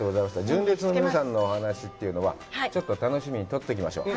純烈の皆さんのお話というのは、ちょっと楽しみにとっときましょう。